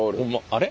あれ？